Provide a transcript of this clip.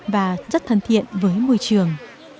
và rất thân thiện với môi trường